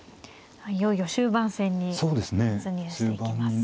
いよいよ終盤戦に突入していきます。